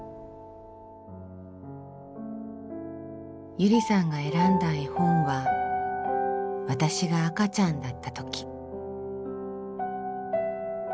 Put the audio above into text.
ゆりさんが選んだ絵本は「わたしがあかちゃんだったとき」。